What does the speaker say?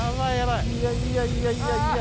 いやいやいやいやいや。